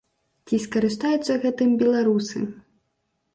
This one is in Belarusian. Ці скарыстаюцца гэтым беларусы?